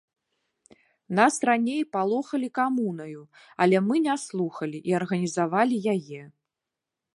Нас раней палохалі камунаю, але мы не слухалі і арганізавалі яе.